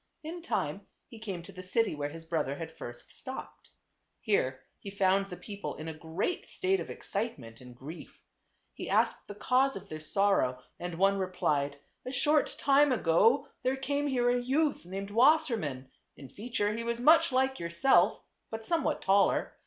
In time he came to the city where his brother had first stopped. Here he found the people in a great state of excitement and grief. He asked the cause of their sorrow and one replied, " A short time ago there came here a youth named Wasser mann ; in feature he was much like yourself, but somewhat taller.